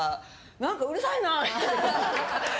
何かうるさいなって。